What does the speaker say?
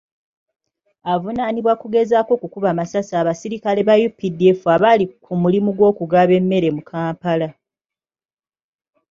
Avuunaanibwa kugezaako kukuba masasi abasirikale ba UPDF abaali ku mulimu gw'okugaba emmere mu Kampala.